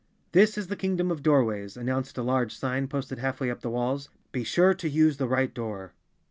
"This is the Kingdom of Doorways," announced a large sign, posted half way up the walls. " Be sure to use the right door."